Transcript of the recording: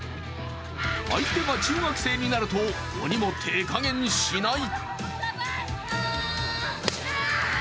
相手が中学生になると鬼も手加減しない！